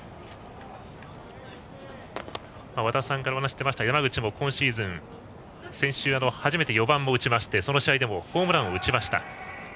和田さんからお話が出ましたが山口は先週、初めて４番を打ちましてその試合でもホームランを打ちました。